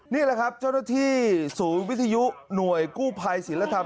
นี่แหละครับเจ้าหน้าที่ศูนย์วิทยุหน่วยกู้ภัยศิลธรรม